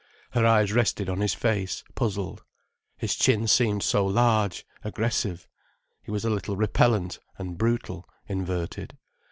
Her eyes rested on his face, puzzled. His chin seemed so large, aggressive. He was a little bit repellent and brutal, inverted.